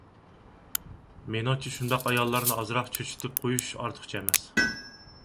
مېنىڭچە شۇنداق ئاياللارنى ئازراق چۆچۈتۈپ قويۇش ئارتۇقچە ئەمەس.